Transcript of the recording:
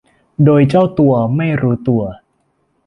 โดยเจ้าตัวไม่รู้ตัว